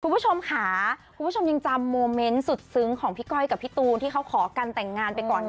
คุณผู้ชมค่ะคุณผู้ชมยังจำโมเมนต์สุดซึ้งของพี่ก้อยกับพี่ตูนที่เขาขอกันแต่งงานไปก่อน